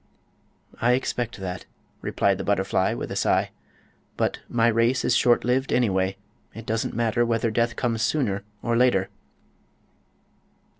"I expect that," replied the butterfly, with a sigh. "But my race is shortlived, anyway; it doesn't matter whether death comes sooner or later."